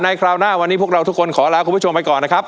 คราวหน้าวันนี้พวกเราทุกคนขอลาคุณผู้ชมไปก่อนนะครับ